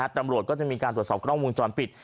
ตำรวจก็จะมีการตรวจสอบกล้องวงจรปิด